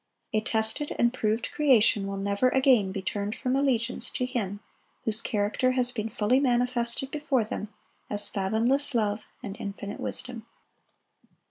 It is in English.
A tested and proved creation will never again be turned from allegiance to Him whose character has been fully manifested before them as fathomless love and infinite wisdom.